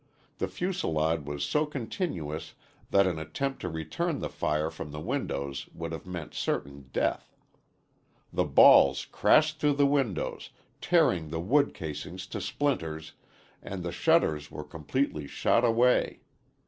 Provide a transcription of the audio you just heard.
The fusilade was so continuous that an attempt to return the fire from the windows would have meant certain death. The balls crashed through the windows, tearing the wood casings to splinters and the shutters were completely shot away.